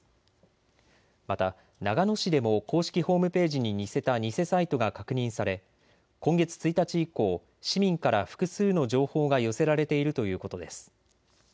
また長野市でも公式ホームページに似せた偽サイトが確認され今月１日以降、市民から複数の情報が寄せられているということです。